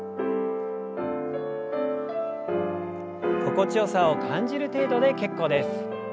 心地よさを感じる程度で結構です。